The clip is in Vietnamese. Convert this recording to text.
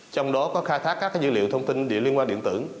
trong đó có khai thác các dữ liệu thông tin liên quan điện tử